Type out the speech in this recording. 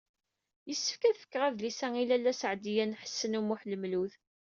Yessefk ad fkeɣ adlis-a i Lalla Seɛdiya n Ḥsen u Muḥ Lmlud.